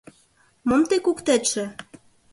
Мом тый куктетше?